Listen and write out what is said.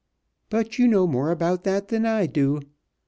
But you know more about that than I do.